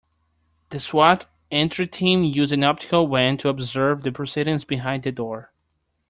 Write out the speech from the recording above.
The S.W.A.T. entry team used an optical wand to observe the proceedings behind the door.